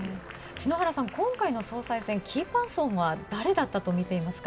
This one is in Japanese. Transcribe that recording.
篠原さん、今回の総裁選、キーパーソンは誰だったとみていますか？